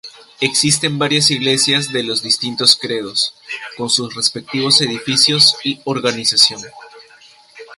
Existen varias iglesias de los distintos credos, con sus respectivos edificios y organización.